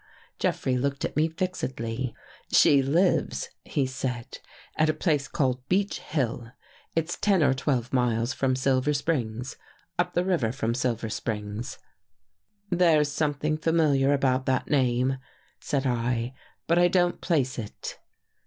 Jeffrey looked at me fixedly. " She lives," he said, " at a place called Beech Hill. It's ten or twelve miles from Silver Springs — up the river from Silver Springs." " There's something familiar about that name," said I, " but I don't place it."